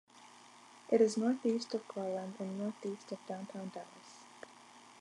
It is northeast of Garland and northeast of downtown Dallas.